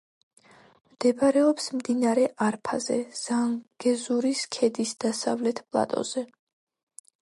მდებარეობს მდინარე არფაზე, ზანგეზურის ქედის დასავლეთ პლატოზე.